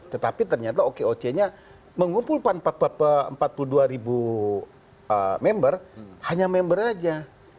tetapi ternyata okoc nya mengumpulkan empat puluh dua ribu member hanya member aja